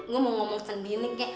gue mau ngomong sendiri nih kek